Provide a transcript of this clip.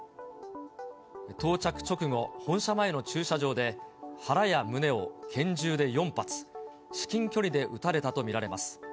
到着直後、本社前の駐車場で、腹や胸を拳銃で４発、至近距離で撃たれたと見られます。